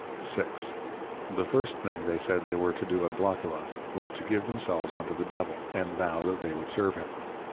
VI. The \First Thing\, they said, they were to do at Blockula, was to give themselves unto the Devil, and \Vow\ that they would serve him.